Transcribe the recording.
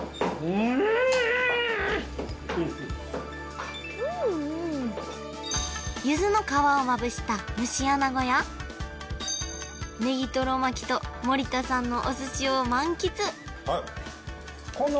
うんゆずの皮をまぶした蒸し穴子やねぎとろ巻きと森田さんのお寿司を満喫